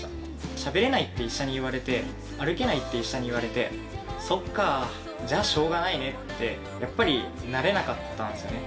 しゃべれないって医者に言われて、歩けないって医者に言われて、そっか、じゃあしょうがないねって、やっぱりなれなかったんですよね。